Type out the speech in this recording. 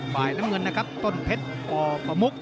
ฝ่ายน้ำเงินนะครับต้นเพชรอประมุก